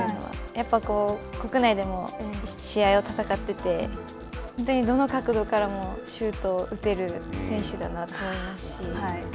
やっぱりこう、試合を戦っていて、本当にどの角度からもシュートを打てる選手だなと思いますし。